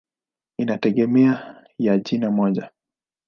Inategemea ya jina moja.